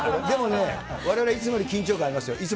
でもね、われわれいつもより緊張感ありますよ。